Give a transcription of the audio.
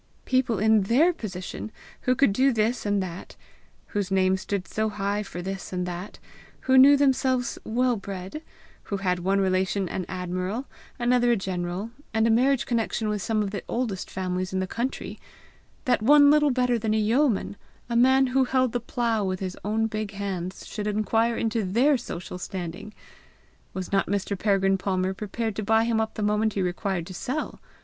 People in THEIR position, who could do this and that, whose name stood so high for this and that, who knew themselves well bred, who had one relation an admiral, another a general, and a marriage connection with some of the oldest families in the country that one little better than a yeoman, a man who held the plough with his own big hands, should enquire into THEIR social standing! Was not Mr. Peregrine Palmer prepared to buy him up the moment he required to sell!